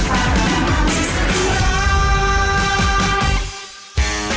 ศึกสุดที่รัก